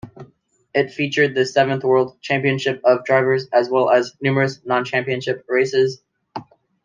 It featured the seventh World Championship of Drivers as well as numerous non-championship races.